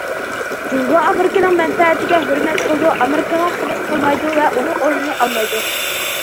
جۇڭگو ئامېرىكىنىڭ مەنپەئەتىگە ھۆرمەت قىلىدۇ، ئامېرىكىغا خىرىس قىلمايدۇ ۋە ئۇنىڭ ئورنىنى ئالمايدۇ.